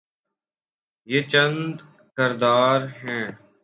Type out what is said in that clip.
یہ چند کردار ہیں۔